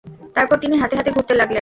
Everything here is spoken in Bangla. তারপর তিনি হাতে হাতে ঘুরতে লাগলেন।